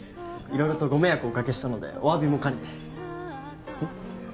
色々とご迷惑をおかけしたのでお詫びも兼ねてうん？